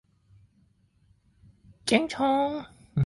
Its peduncles have cells with eight or more seeds and are long.